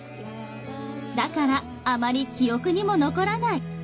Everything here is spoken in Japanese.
だからあまり記憶にも残らない。